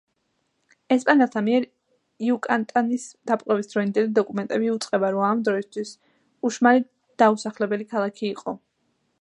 ესპანელთა მიერ იუკატანის დაპყრობის დროინდელი დოკუმენტები იუწყება, რომ ამ დროისთვის უშმალი დაუსახლებელი ქალაქი იყო.